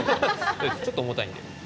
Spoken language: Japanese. ちょっと重たいんで。